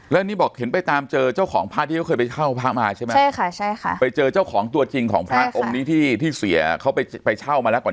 แล้วนี่บอกเห็นไปตามเจอเจ้าของพระที่เคยไปเช่าพระมหาช่างใช่มั้ย